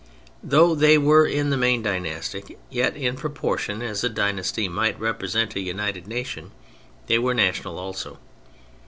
Though they were in the main dynastic, yet in proportion as a dynasty might represent a united nation, they were national also.